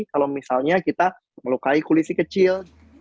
kalau misalnya kita melukai kulit si kecil